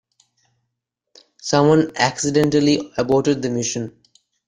Someone accidentally aborted the mission.